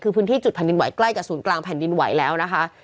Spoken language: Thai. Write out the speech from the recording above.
คือพื้นที่จุดแผ่นดินไหวใกล้กับศูนย์กลางแผ่นดินไหวแล้วนะคะ